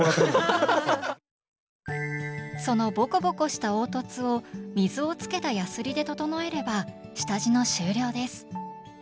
そのボコボコした凹凸を水をつけたヤスリで整えれば下地の終了です。